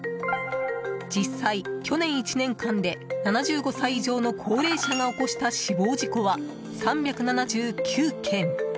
実際、去年１年間で７５歳以上の高齢者が起こした死亡事故は３７９件。